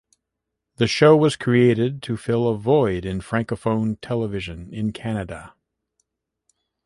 The show was created to fill a void in francophone television in Canada.